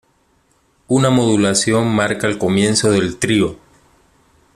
Una modulación marca el comienzo del trío.